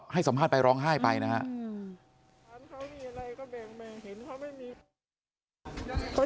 ให้สัมภาษณ์ไปร้องไห้ไปนะครับ